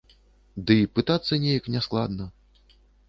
Дай пытацца неяк няскладна.